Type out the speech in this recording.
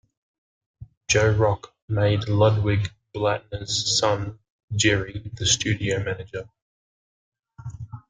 Joe Rock made Ludwig Blattner's son Gerry the studio manager.